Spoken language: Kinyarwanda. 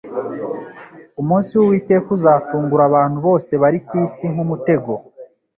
Umunsi w'Uwiteka uzatungura abantu bose bari ku isi nk'umutego,